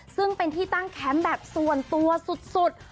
ซึ่งเป็นที่ตั้งแคมป์แบบส่วนตัวสุด